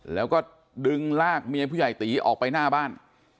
แล้วก็ดึงลากเมียผู้ใหญ่ตีออกไปหน้าบ้าน